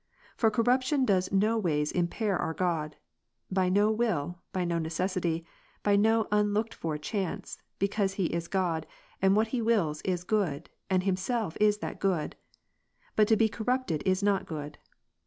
For corruption does no ways impair our God ; by no will, by no necessity, by no unlooked for chance: because He is God, and what He wills is good, and Himself is that good ; but to be corrupted is not good.